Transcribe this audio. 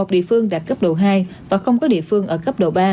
một mươi một địa phương đạt cấp độ hai và không có địa phương ở cấp độ ba